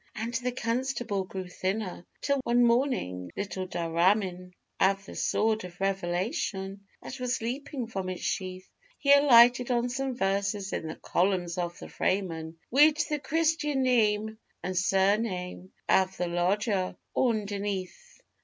_ And the constable grew thinner, till one morning, 'little dhramin' Av the sword of revelation that was leapin' from its sheath,' He alighted on some verses in the columns of the FRAYMAN, '_Wid the christian name an' surname av the lodger onderneath!